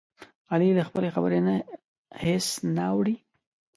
علي له خپلې خبرې نه هېڅ نه اوړوي.